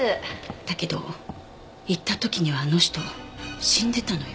だけど行った時にはあの人死んでたのよ。